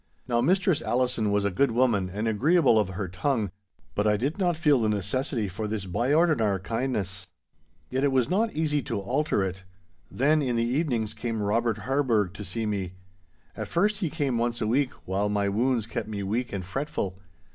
Now Mistress Allison was a good woman and agreeable of her tongue, but I did not feel the necessity for this byordinar kindness. Yet it was not easy to alter it. Then in the evenings came Robert Harburgh to see me. At first he came once a week while my wounds kept me weak and fretful.